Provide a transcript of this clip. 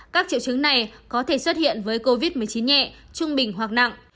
các triệu chứng này có thể xuất hiện với covid một mươi chín nhẹ trung bình hoặc nặng